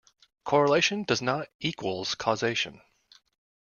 Correlation does not equals causation.